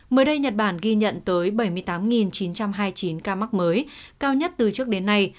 mới đây nhật bản ghi nhận tới bảy mươi tám chín trăm hai mươi chín ca mắc mới cao nhất từ trước đến nay